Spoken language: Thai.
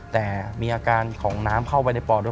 แต่มีอาการของน้ำเข้าไปในปอด